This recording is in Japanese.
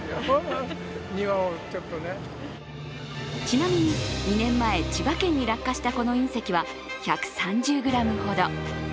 ちなみに２年前、千葉県に落下したこの隕石は１３０ｇほど。